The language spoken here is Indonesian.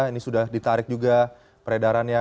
ini sudah ditarik juga peredarannya